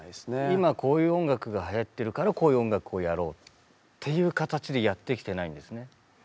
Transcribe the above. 今こういう音楽がはやってるからこういう音楽をやろうっていう形でやってきてないんですね。